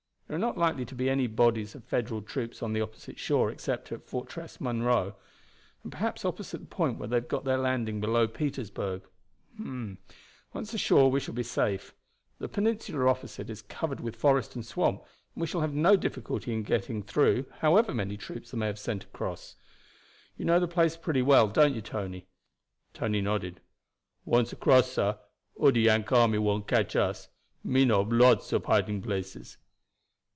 There are not likely to be any bodies of Federal troops on the opposite shore except at Fortress Monroe, and perhaps opposite the point where they have got their landing below Petersburg. Once ashore we shall be safe. The peninsula opposite is covered with forest and swamp, and we shall have no difficulty in getting through however many troops they may have across it. You know the place pretty well, don't you, Tony?" Tony nodded. "Once across, sah, all de Yank army wouldn't catch us. Me know ob lots ob hiding places."